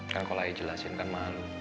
kan kalau ayah jelasin kan malu